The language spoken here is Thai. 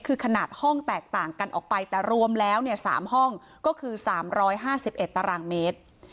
คือขนาดห้องแตกต่างกันออกไปแต่รวมแล้วเนี้ยสามห้องก็คือสามร้อยห้าสิบเอ็ดตารางเมตร